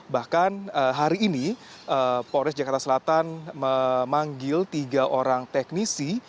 bahkan hari ini polres jakarta selatan memanggil tiga orang teknisi